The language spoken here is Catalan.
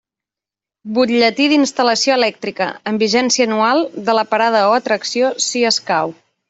Butlletí d'instal·lació elèctrica, amb vigència anual, de la parada o atracció, si escau.